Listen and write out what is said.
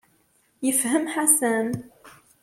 Yefhem Ḥasan.